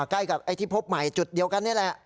ใกล้กับไอ้ที่พบใหม่จุดเดียวกันนี่แหละ